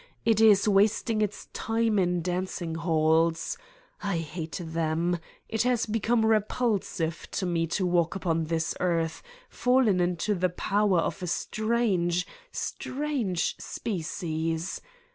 It is wasting its time in dancing halls. I hate them. It has become repulsive to me to walk upon this earth, fallen into the power of a strange, strange species.